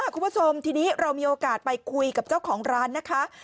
คุณผู้ชมทีนี้เรามีโอกาสไปคุยกับเจ้าของร้านนะคะ